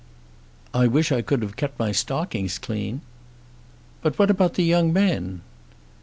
"I wish I could have kept my stockings clean." "But what about the young men?"